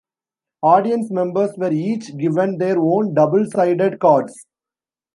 Audience members were each given their own double-sided cards.